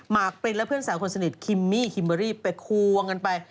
ปรินและเพื่อนสาวคนสนิทคิมมี่คิมเบอร์รี่ไปควงกันไป